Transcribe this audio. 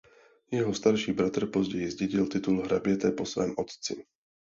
Jeho starší bratr později zdědil titul hraběte po svém otci.